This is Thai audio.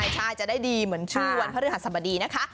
ใช่จะได้ดีเหมือนชื่อวันพระฤหัสบดีนะคะ